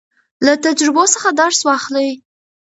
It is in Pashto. له تجربو څخه درس واخلئ.